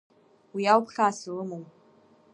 Уи ауп хьаас илымоу.